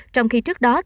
trong khi trước đó